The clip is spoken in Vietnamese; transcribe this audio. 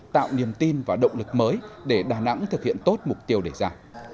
tạo niềm tin và động lực mới để đà nẵng thực hiện tốt mục tiêu đề ra